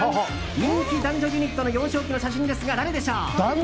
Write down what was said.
人気男女ユニットの幼少期の写真ですが誰でしょう？